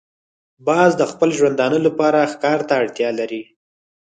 باز د خپل ژوندانه لپاره ښکار ته اړتیا لري